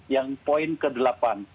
yang poin ke delapan